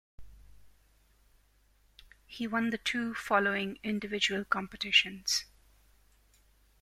He won the two following individual competitions.